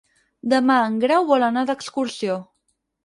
Demà en Grau vol anar d'excursió.